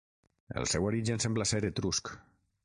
El seu origen sembla ser etrusc.